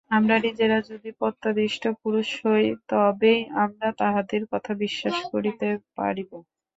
আমরা নিজেরা যদি প্রত্যাদিষ্ট পুরুষ হই, তবেই আমরা তাঁহাদের কথা বিশ্বাস করিতে পারিব।